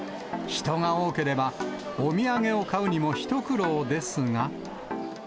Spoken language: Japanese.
人が多ければ、お土産を買うにも一苦労ですが。